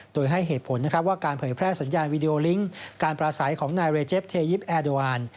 โดยให้เหตุผลนะครับว่าการเผยแพร่สัญญาณวีดีโอลิงก์การปราศัยของนายเรเจฟเทยิปแอดวาน